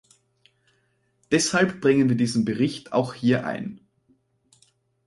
Deshalb bringen wir diesen Bericht auch hier ein.